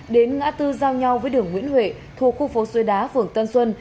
đến ngã tư giao nhau với đường nguyễn huệ thuộc khu phố suối đá phường tân xuân